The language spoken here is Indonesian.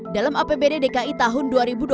dalam apbd dki tahun dua ribu dua puluh